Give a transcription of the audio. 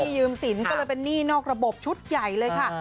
ยืมสินก็เลยเป็นหนี้นอกระบบชุดใหญ่เลยค่ะ